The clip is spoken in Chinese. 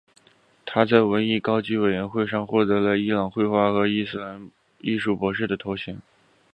他在文艺高级委员会获得了伊朗绘画和伊斯兰艺术博士头衔。